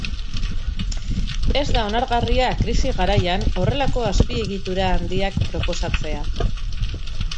Ez da onargarria krisi garaian horrelako azpiegitura handiak proposatzea.